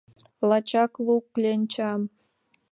Лачак лу кленчам.